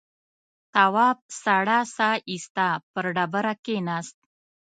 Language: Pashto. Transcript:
تواب سړه سا ایسته پر ډبره کېناست.